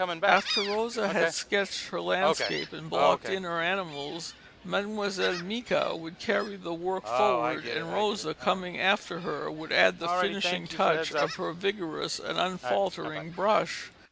After Rosa had sketched her landscape and blocked in her animals, Mlle. Micas would carry the work forward, and Rosa, coming after her, would add the finishing touch of her vigorous and unfaltering brush.